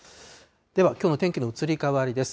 では、きょうの天気の移り変わりです。